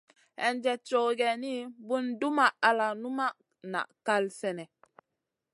Hinjèd cow geyni, bùn dumʼma al numʼma na kal sènèh.